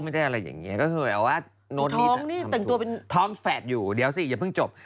อะไรอย่างนี้ก็คือแบบว่าท้องแฝดอยู่เดี๋ยวสิอย่าเพิ่งจบ